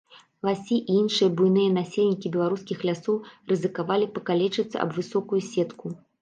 Ласі і іншыя буйныя насельнікі беларускіх лясоў рызыкавалі пакалечыцца аб высокую сетку.